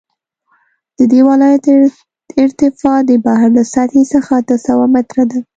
د دې ولایت ارتفاع د بحر له سطحې څخه اته سوه متره ده